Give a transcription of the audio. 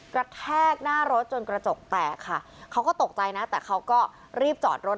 กระแทกหน้ารถจนกระจกแตกค่ะเขาก็ตกใจนะแต่เขาก็รีบจอดรถ